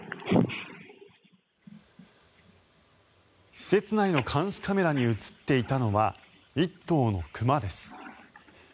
施設内の監視カメラに映っていたのは、１頭の熊です。